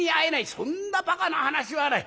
そんなバカな話はない。